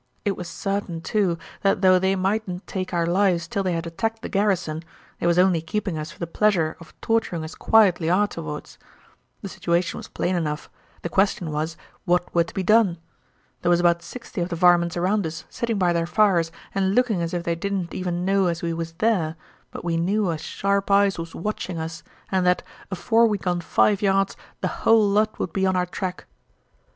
It was sartin, too, that though they mightn't take our lives till they had attacked the garrison, they was only keeping us for the pleasure of torturing us quietly arterward. The situation was plain enough; the question was, what were to be done? There was about sixty of the varmints around us sitting by their fires and looking as ef they didn't even know as we was there, but we knew as sharp eyes was watching us and that, afore we'd gone five yards, the hull lot would be on our track.